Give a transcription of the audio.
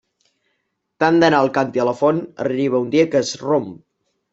Tant d'anar el càntir a la font, arriba un dia que es romp.